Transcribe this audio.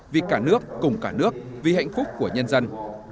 vì cả nước cùng cả nước vì hạnh phúc của nhân dân